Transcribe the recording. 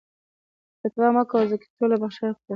فتح مکه کې یې ټول بخښنه کړل.